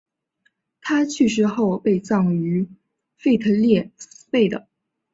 他去世后被葬于腓特烈斯贝的。